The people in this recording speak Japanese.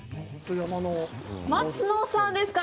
松野さんですか？